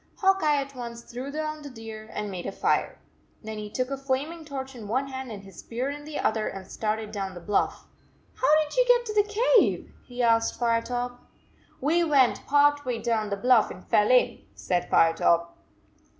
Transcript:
Hawk Eye at once threw down the deer and made a fire. Then he took a flaming torch in one hand and his spear in the other and started down the bluff. " How did you get to the cave?" he asked Firetop. ".We went part way down the bluff and fell in," said Firetop.